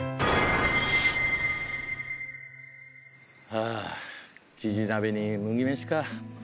ああキジ鍋に麦飯か。